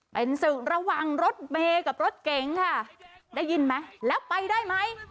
เป็นศึกระหว่างรถเมย์กับรถเก๋งค่ะได้ยินไหมแล้วไปได้ไหม